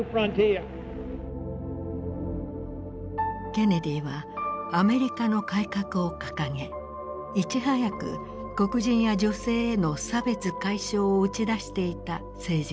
ケネディはアメリカの改革を掲げいち早く黒人や女性への差別解消を打ち出していた政治家だった。